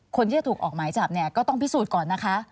คนที่จะถูกออกหมายจับเนี่ยก็ต้องพิสูจน์ก่อนนะคะ